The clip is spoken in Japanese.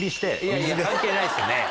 関係ないですね。